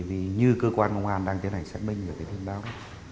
vì như cơ quan công an đang tiến hành xác minh và tiến báo